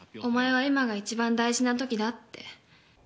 お前は今が一番大事な時だって。